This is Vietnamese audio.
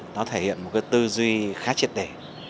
nó thể hiện một tư duy khá triệt đẻ